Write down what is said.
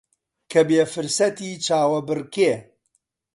کە بێ فرسەتی چاوەبڕکێ